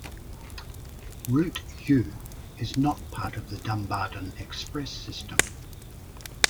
Route U is not part of the Dumbarton Express system.